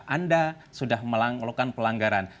anda sudah melakukan pelanggaran